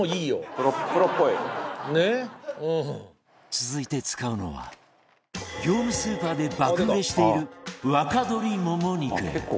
続いて使うのは業務スーパーで爆売れしている若どりもも肉